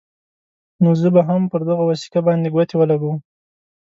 نو زه به هم پر دغه وثیقه باندې ګوتې ولګوم.